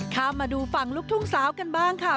ข้ามมาดูฝั่งลูกทุ่งสาวกันบ้างค่ะ